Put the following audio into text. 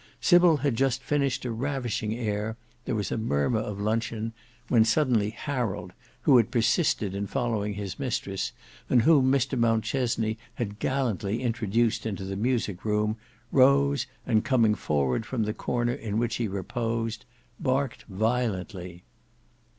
Sybil had just finished a ravishing air, there was a murmur of luncheon—when suddenly Harold, who had persisted in following his mistress and whom Mr Mountchesney had gallantly introduced into the music room, rose and coming forward from the corner in which he reposed, barked violently.